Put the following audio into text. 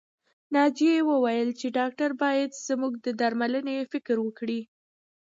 ناجيې وويل چې ډاکټر بايد زموږ د درملنې فکر وکړي